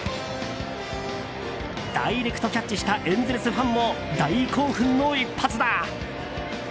ダイレクトキャッチしたエンゼルスファンも大興奮の一発だ。